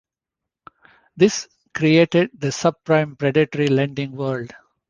This created the subprime predatory lending world.